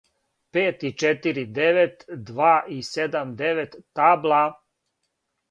пет и четири девет два и седам девет табла